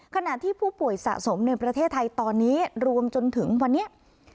ขณะที่ผู้ป่วยสะสมในประเทศไทยตอนนี้รวมจนถึงวันนี้